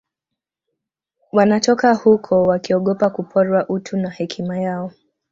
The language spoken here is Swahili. wanatoka huko wakiogopa kuporwa utu na hekima yao